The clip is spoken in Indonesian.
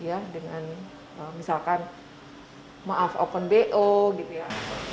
ya dengan misalkan maaf open bo gitu ya